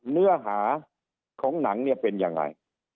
เนื้อหาของหนังเนี่ยเป็นยังไง